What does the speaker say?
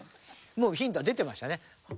もうヒントは出てましたね。